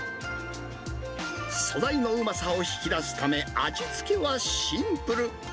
素材のうまさを引き出すため、味付けはシンプル。